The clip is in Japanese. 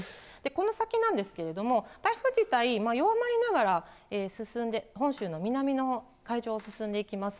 この先なんですけれども、台風自体、弱まりながら進んで、本州の南の海上を進んでいきます。